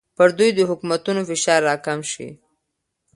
پر دوی د حکومتونو فشار راکم شي.